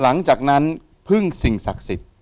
หลังจากนั้นพึ่งสิ่งศักดิ์สิทธิ์